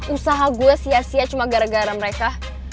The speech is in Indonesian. usaha gue sia sia cuma gara gara mereka